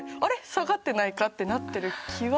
下がってないか？ってなってる気は。